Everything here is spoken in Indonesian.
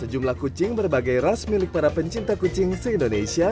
sejumlah kucing berbagai ras milik para pencinta kucing se indonesia